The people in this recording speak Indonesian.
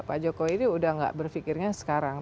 pak jokowi ini udah nggak berfikirnya sekarang